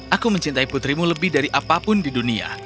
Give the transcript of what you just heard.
aku mencintai putrimu lebih dari apapun di dunia